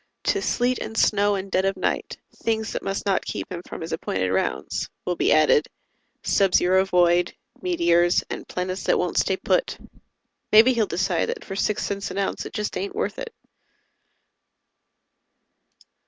To "sleet and snow and dead of night" things that must not keep him from his appointed rounds will be added, sub zero void, meteors, and planets that won't stay put. Maybe he'll decide that for six cents an ounce it just ain't worth it.